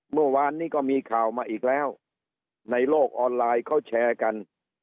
เมื่อวานนี้ก็มีข่าวมาอีกแล้วในโลกออนไลน์เขาแชร์กัน